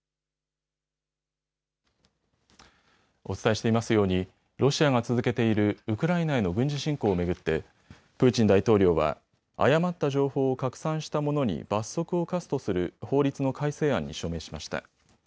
お伝えしていますようにロシアが続けているウクライナへの軍事侵攻を巡ってプーチン大統領は誤った情報を拡散した者に罰則を科すとする法律の改正案に署名しました。